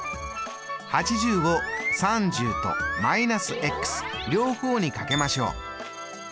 ８０を３０とー両方にかけましょう。